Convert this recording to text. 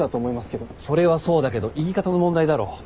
それはそうだけど言い方の問題だろ。